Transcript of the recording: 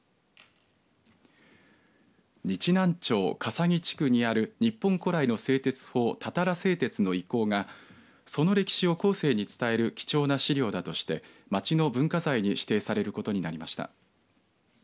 日南町笠木地区にある日本古来の製鉄法たたら製鉄の遺構がその歴史を後世に伝える貴重な資料だとして町の文化財に指定されることになりました。